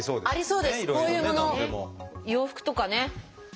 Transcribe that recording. こういうもの洋服とかね。